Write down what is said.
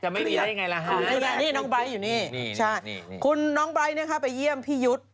จะไม่เห็นอย่างไรล่ะฮะนี่น้องไบ้อยู่นี่คุณน้องไบ้เนี่ยค่ะไปเยี่ยมพี่ยุทธ์